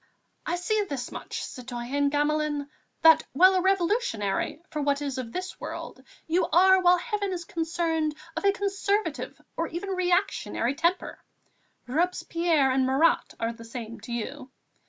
"I see this much, citoyen Gamelin, that, while a Revolutionary for what is of this world, you are, where Heaven is concerned, of a conservative, or even a reactionary temper. Robespierre and Marat are the same to you.